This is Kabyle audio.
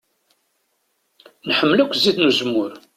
Nḥemmel akk zzit n uzemmur.